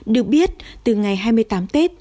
được biết từ ngày hai mươi tám tết